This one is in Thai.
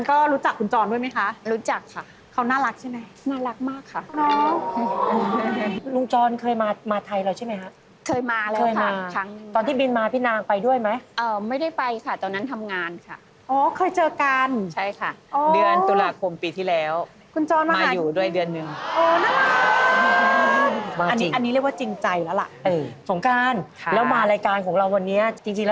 โอ้โฮน่ารักจังนี่หรอ